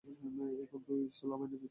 এখন তুমি সুলাইমানের পিতা।